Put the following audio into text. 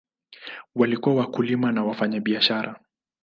Walikuwa wakulima na wafanyabiashara.